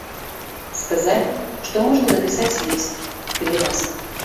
Сказалі, што можна напісаць ліст, калі ласка.